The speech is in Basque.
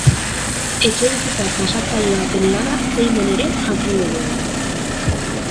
Etxebizitza tasatzaile baten lana zein den ere jakingo dugu.